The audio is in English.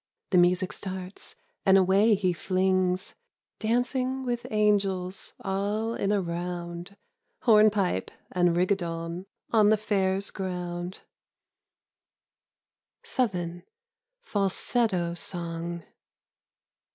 The music starts and away he flings — Dancing with angels all in a round. Hornpipe and rigaudon on the Fair's ground. io8 EDITH SITWELL. VII FALSETTO SONG.